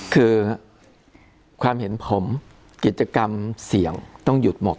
คือความเห็นผมกิจกรรมเสี่ยงต้องหยุดหมด